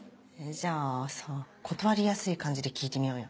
じゃあさ断りやすい感じで聞いてみようよ。